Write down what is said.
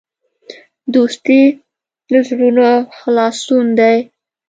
دوستي د زړونو خلاصون دی.